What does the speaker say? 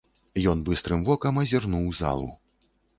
Ён быстрым вокам азірнуў залу.